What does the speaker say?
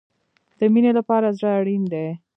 د مینې لپاره زړه اړین دی